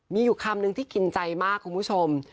มีอยู่คำนึงที่กินใจมากคุณผู้ชม